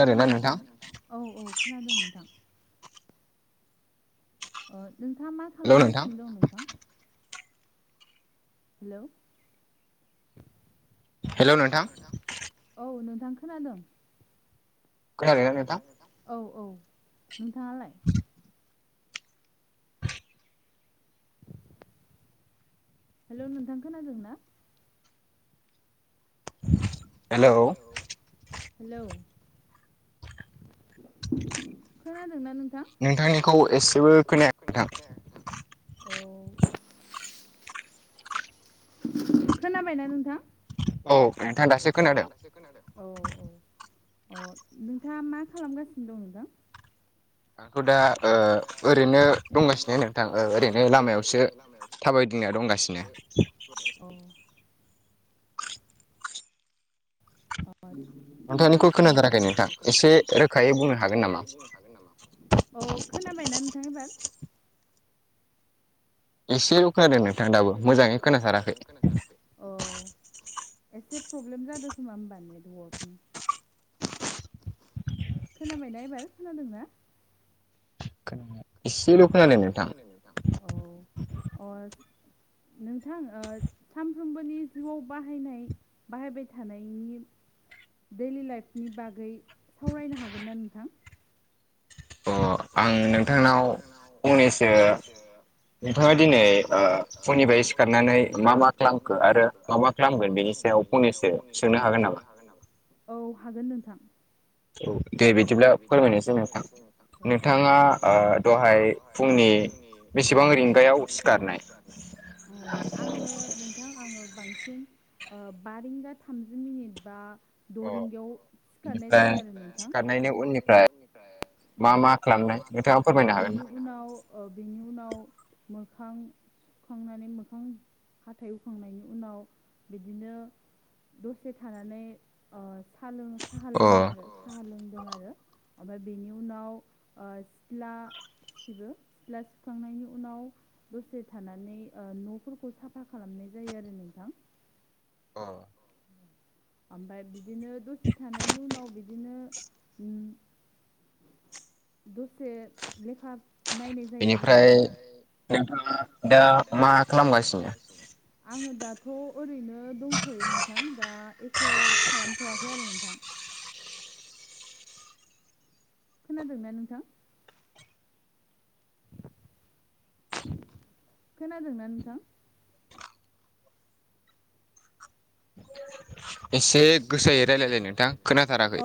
Hello नोंथां, औ औ खोनादों नोंथां। अ नोंथाङा मा खालामगासिनो दं नोंथां? हेलौ, हेलौ नोंथां औ नोंथां खोनादों औ औ नोंथाङालाय? हेलौ नोंथां खोनादों ना? हेलौ हेलौ खोनादोंना नों नोंथांनिखौ एसेबो खोनथां औ खोनाबायना नोंथां औ नोंथां औ औ अ नोंथाङा मा खालामगासिनो दं नोंथां आंथ' दा ओरैनो दंगासिनो नोंथां ओरैनो लामायावसो थाबायदिंना दंगासिनो। [unintelligible] अ [inaudible] नोंथां ओ, नोंथांनिखौ खोनादों नोंथां एसे रोखायै बुंनो हागोन नामा? औ खोनाबायना नोंथां एबार? एसेल' खोनादों नोंथां दाबो मोजाङै खोनासाराखै। खोना थाराखै अ एसे प्रब्लेम जादों खोमा होनोमब ने दरनि खोनाबायना एबार खोनादों ना खोन एसेल' खोनादों नोंथां दों नोंथां औ अ नोंथां सानफ्रोमबोनि जिउआव बाहायनाय बाहायबाय थानायनि दैलि लाइफनि बागै सावरायनो हागोन ना नोंथां। अ आं नोंथांनाव फंनैसो नोंथाङा दिनै फुंनिफ्राय सिखारनानै मा मा खालामखो आरो मा मा मा मा खालामगोन बेनि सायाव फनैसो सोंनो हागोन नामा औ हागोन नोंथां औ। दे बिदिब्ला फोरमायनोसै नोंथां नोंथाङा दहाय फुंनि बेसेबां रिंगायाव सिखारनाय? औ आङो नों थां आङो बांसिन बा रिंगा थामजि मिनिट बा दरिंगायाव सिखारनाय जायो आरो नोंथां। खारनायनि उननिफ्राय मा मा खालामनाय बे उनाव बिनि उनाव मोखां हुखांनानै मोखां हाथाइ हुखांनायनि उनाव बिदिनो दसे थानानै साहा ल साहा लोङो आरो साहा लोङो जादों आरो ओमफ्राय बेनि उनाव सिथला गसिबो गलास सखांनायनि उनाव दसे थानानै ओ न'फोरखौ साफा खालामनाय जायो आरो नोंथां अ ओमफ्राय बिदिनो दसे थानायनि उनाव बिदिनो दसे लेखा नायनाय जायो आरो नोंथां [unintelligible] थ' ओरैनो दंथ'यो नोंथां दा एख' खालामथ'वाखै आरो नोंथां खोनादोंना नोंथां? खोनादोंना नोंथां? एसे गोसायै रायलायलायो नोंथां खोनाथाराखै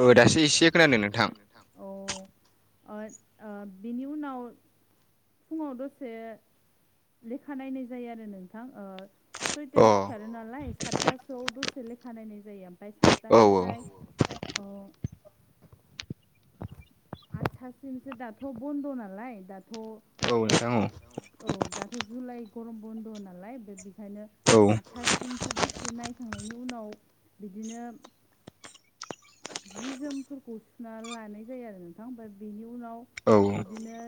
औ दासो एसे खोनादों नोंथां अ बिनि उनाव फुङाव दसे लेखा नायनाय जायो आरो नोंथां ओ सयथायाव सिथारो नालाय सातथा [unintelligible] दसे लेखा नायनाय जायो ओमफ्राय सातथानिफ्राय अ आठथासिमसो दाथ' बन्द' नालाय दाथ' औ नोंथां औ औ दाथ' जुलाइ गरम बन्द' नालाय बे- बेखायनो आदथासिमसो दसे नायखांनायनि उनाव बिदिनो जि जोमफोरखौ सुना लानाय जायो आरो नोंथां बाय बेनि उनाव बिदिनो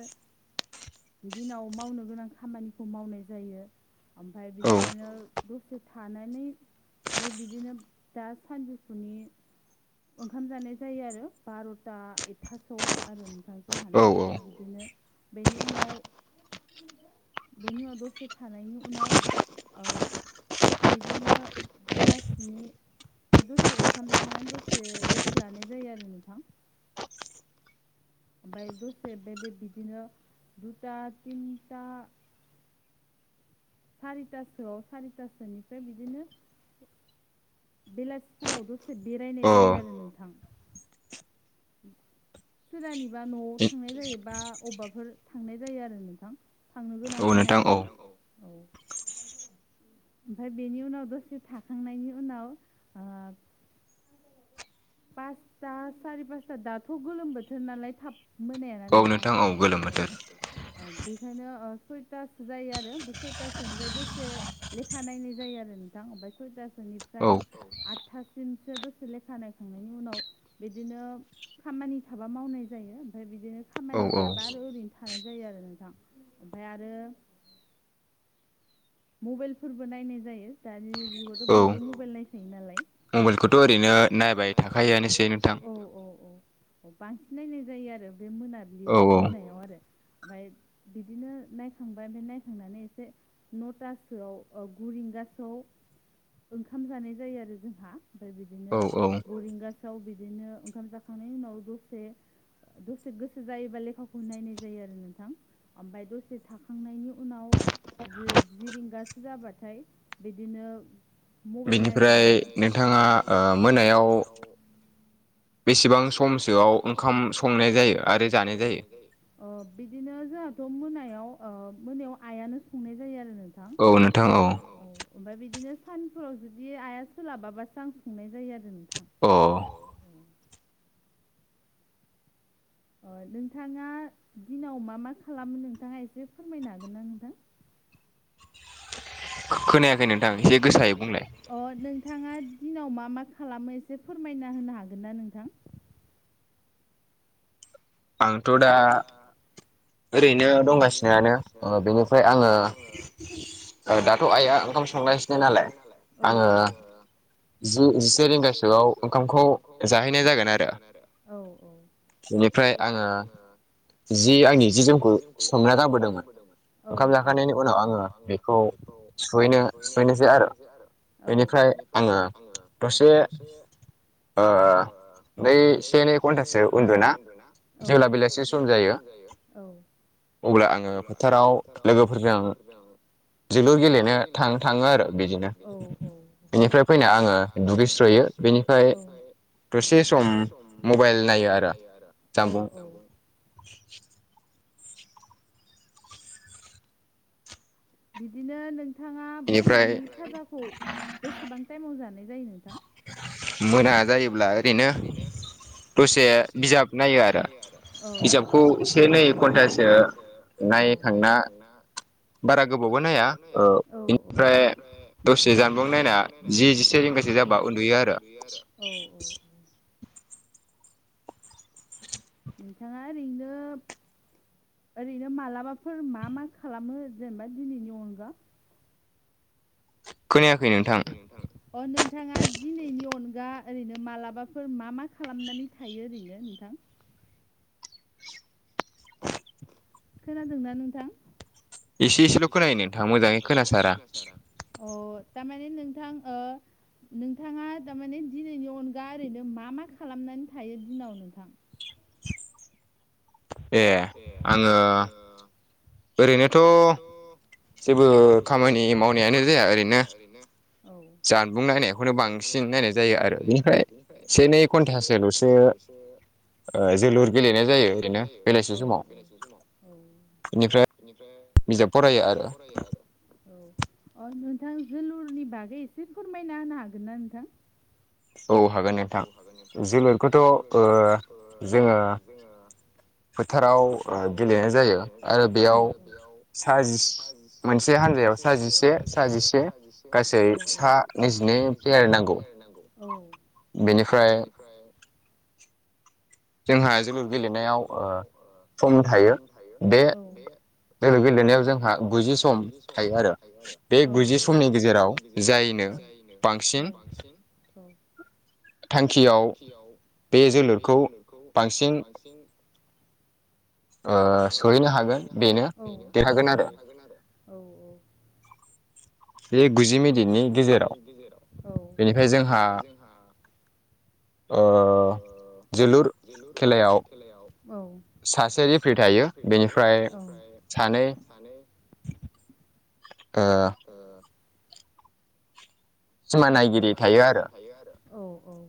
बिदिनाव मावनो गोनां खामानिखौ मावनाय जायो ओमफ्राय बिदिनो दसे थानानै ओमफ्राय बिदिनो दा सानजौफुनि ओंखाम जानाय जायो आरो बार'था एकथासोआव आरो ओोंखां जोंहाना ओमफ्राय बिदिनो बेनि उनाव बेनि उनाव दसे थानायनि उनाव ओ बिदिनो बेलासिनि ओमफाय दसे ओंखाम जाखांनानै दस से रेस लानाय जायो आरो नोंथां ओमफाय दसे बे-बे बिदिनो दुथा तिनता सारितासोआव सारितासोनिफ्राय बिदिनो बिलासिफुराव दसे बेरायनाय जायो आरो नोंथां सोरानिबा न'आव थांनाय जायो बा अबेबाफोर थांनाय जायो आरो नोंथां थांनो गोनां खामानिया [unintelligible] औ ओमफाय बेनि उनाव दसे थाखांनायनि उनाव ओ पासता सारि पासता दाथ' गोलोम बोथोर नालाय थाब मोनायाना नोंथां औ नोंथां औ गोलोम बोथोर औ बेखायनो ओ सयतासो जायो आरो बे सयतासोनिफ्राय दसे लेखा नायनाय जायो आरो नोंथां ओमफ्राय सयतासोनिफ्राय आदथासिमसो दसे लेखा नाय थांनायनि उनाव बिदिनो खामानि थाबा मावनाय जायो ओमफाय बिदिनो खामानि गैयाबा आरो ओरैनो थानाय जायो आरो नोंथां ओमफाय आरो मबेलफोरबो नायनाय जायो दानि जुगावथ' बयबो मबेल नायखायो नालाय मबेलखौथ' ओरैनो नायबाय थाखायोनोसै नोंथां अ अ अ बांसिन नायनाय जायो आरो बे मोनाबिलियाव मोनायाव आरो ओमफाय बिदिनो नायखांबाय ओमफाय नायखांनानै एसे नतासोआव ओ गुरिंगासोआव ओंखाम जानाय जायो आरो जोंहा ओमफाय बिदिनो औ औ गुरिंगासोआव बिदिनो ओंखाम जाखांनायनि उनाव दसे दसे गोसो जायोबा लेखाखौ नायनाय जायो आरो नोंथां ओमफाय दसे थाखांनायनि उनाव जो जि रिंगासो जाबाथाय बिदिनो मबाइल नायबा [unintelligible] नोंथाङा ओ मोनायाव बेसेबां समसोआव ओंखाम संनाय जायो आरो जानाय जायो ओ बिदिनो जोंहाथ' मोनायाव ओ मोनायाव आयानो संनाय जायो आरो नों थां औ नोंथां औ ओमफाय बिदिनो सानफोराव जुदि आइआ सोलाबाबासो आं संनाय जायो आरो नोंथां अ अ नोंथाङा दिनाव मा मा खालामो नोंथाङा एसे फोरमायनो हागोन ना नोंथां? खोनायाखै नोंथां जे गोसोायै बुं अ नोंथाङा दिनाव मा मा खालामो एसे फोरमायना होनो हागोन ना नोंथां आंथ' दा ओरैनो दंगासिनोआनो बेनिफ्राय आङो दाथ' आइआ ओंखाम संगासिनो नालाय आङो जि-जिसे रिंगासोआव ओंखामखौ जाहैनाय जागोन आरो बेनिफ्राय आङो जि आंनि जि जोमखौ सोमना गारबोदोंमोन औ औ ओंखाम जाखांनायनि उनाव आङो बेखौ सुयैनो सुयैनो आरो औ औ बेनिफ्राय आङो दसे नै से नै घन्टासो उन्दोना जेब्ला बेलासि सम जायो औ अब्ला आङो फोथाराव लोगोफोरजों आ ज जोलुर गेलेनो थां-थाङो आरो बिदिनो बेनिफ्राय फैनो आङो दुगैस्र'यो थुयो बेनिफ्राय दसे सम मबाइल नायो आरो औ औ [unintelligible] बिदिनो नोंथाङा मोनानि [unintelligible] खाजाखौ बेसेबां टाइमाव जानाय जायो नोंथां? मोना जायोब्ला ओरैनो दसे बिजाब नायो आरो औ बिजाबखौ एसे नायै घन्टासो औ नाय थांना बारा गोबावबो नाया बेनिफ्राय दसे जानबुं नायना जि जिसे रिंगासो जाबा जाबा उन्दुयो आरो औ औ नोंथाङा ओरैनो ओरैनो मालाबाफोर मा मा खालामो जेनेबा दिनैनि अनगा खोनायाखै नोंथांा अ नोंथाङा दिनैनि अनगा ओरैनो मालाबाफोर मा मा खालामनानै थायो ओरैनो नोंथां [inaudible] खोनादोंना नोंथां एसे एसेल' खोनायो नोंथां मोजाङै खोनासार आ अ थारमाने नोंथां नोंथाङा थारमाने दिनैनि अनगा ओरैनो मा मा खालामनानै थायो दिनाव नोंथां ए आङो ओरैनोथ' जेबो खामानि मावनायानो जाया ओरैनो जानबुं नायनायखौनो बांसिन नायनाय जायो आरो बेनिफ्राय से नै घन्टासोल'सो द जोलुर गेलेनाय जायो ओरैनो बेलासि खिन्थु बेलासि समाव बेनिफ्राय बिजाब फरायो आरो औ अ नोंथां जोलुरनि बागै एसे फोरमायना होनो हागोन ना नोंथां औ हागोन औ हागोन नोंथां जों बेखौथ' जोङो फोथाराव गेलेनाय जायो आरो बेयाव सा जि मोनसे हानजायाव सा जिसे स जििसे गासै सा नैजिनै देरनांगौ औ बेनि बेनिफ्राय जोंहा जेु गेलेनायाव सम थायो बे ज गेलेनायाव जोंहा बुजि सम थायो आरो बे बुजि समनि गेजेराव जाय बांसिन थांखियाव बे जोलुरखौ बांसिन सहैनो हागोन बेनो ने हागोन आरो बे गुजि मिनिटनि गेजेराव औ बेनिफ्राय जोंहा जोलुर जोलुर खेलायाव औ सासे फै थायो बेनिफ्राय सानै [inaudible] सिमा नायगिरि थायो आरो औ औ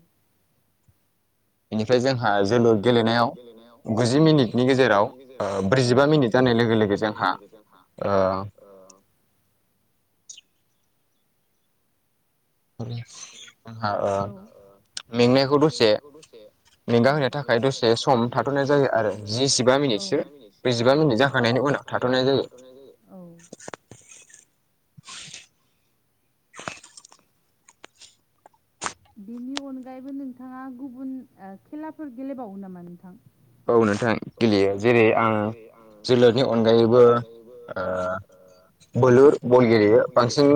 बेनिफ्राय जोंहा जोलुर गेलेनायाव गुजि मिनिटनि गेजेराव जिबा मिनिट जानाय लोगो लोगो जोंहा ओ औ मेंनायखौ दसे औ मेंंगा होनो थाखाय दसे सम थाथ'नाय जायो आरो जि जिबा मिनिटसो [unintelligible] मिनिट जा औ बेनि अनगायैबो नोंथाङा गुबुन ओ खेलाफोर गेलेबावो नामा नोंथां औ नोंथां औ नोंथां गेलेयो जेरै आं जोलुरनि अनगायैबो ओ बोलुर बल गेलेयो बांसिन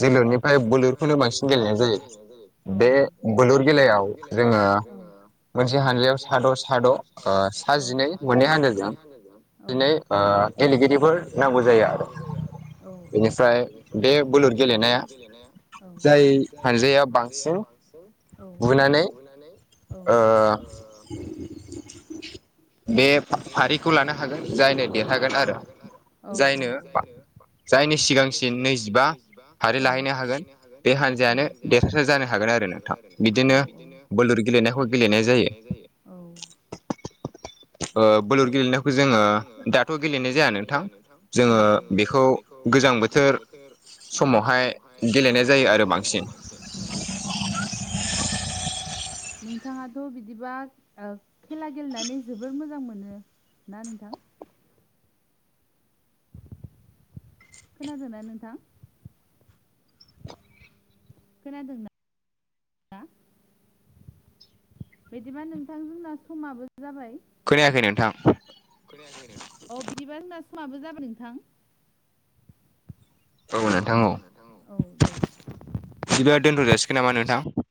जोलुरनिफ्राय बोलुरखौनो बांसिन गेलेनाय जायो बे बोलुर गेलायाव जोङो मोनसे हानजायाव साद' साद' ओ सा जिनै मोननै हान्जोजों जिनै ओ गेलेगिरिफोर नांगौ जायो आरो बेनिफ्राय बे बोलुर गेलेनाया जाय हानजाया बांसिन बुनानै ओ बे फारिखौ लानो हागोन जायनो देरहागोन आरो औ औ जायनो जायनि सिगांसिन नैजिबा आरो लाहैनो हागोन बे हान्जायानो देरहासार जानो हागोन आर रो नोंथां बिदिनो बोलुर गेलेनायखौ गेलेनाय जायो औ औ औ औ औ नोंथाङाथ' बिदिबा ओ खेला गेलेना नै जोबोर मोजां मोनो ना नोंथां खोनादोंना नोंथां खोनादोंना बिदिबा नोंथां जोंना समाबो जाबाय खोनायाखै नोंथां अ बिदिबा जोंना समाबो जाबाय नोंथां [inaudible] औ नोंथां औ बिदिब्ला दोनथ' जाासिगोन नामा नोंथां